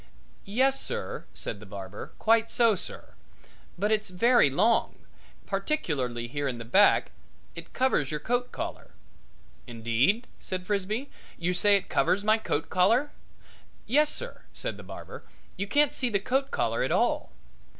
"Yes, sir," said the barber, "quite so, sir; but it's very long, particularly here in the back it covers your coat collar." "Indeed?" said Frisbee. "You say it covers my coat collar?" "Yes, sir," said the barber. "You can't see the coat collar at all."